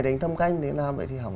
đánh thăm canh đến là mới học là không